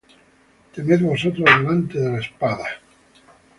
Temed vosotros delante de la espada;